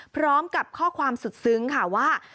พร้อมกับข้อความสุดซึ้งค่ะว่า